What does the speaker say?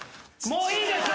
もういいです